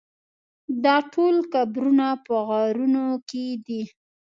دا ټول قبرونه په غارونو کې دي.